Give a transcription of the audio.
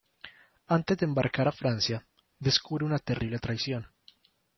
Antes de embarcar a Francia descubre una terrible traición.